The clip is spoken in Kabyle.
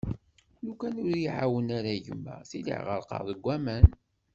Lukan ur y-iεawen ara gma tili ɣerqeɣ deg aman.